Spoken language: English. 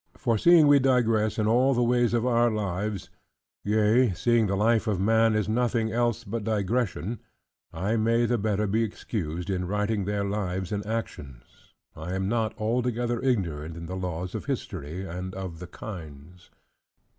For seeing we digress in all the ways of our lives: yea, seeing the life of man is nothing else but digression; I may the better be excused, in writing their lives and actions. I am not altogether ignorant in the laws of history and of the kinds.